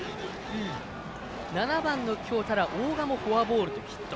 ７番の、大賀もフォアボールとヒット。